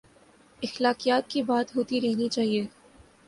اخلاقیات کی بات ہوتی رہنی چاہیے۔